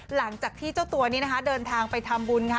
หลังจากที่เจ้าตัวนี้นะคะเดินทางไปทำบุญค่ะ